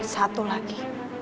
dan satu lagi